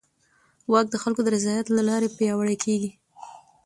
واک د خلکو د رضایت له لارې پیاوړی کېږي.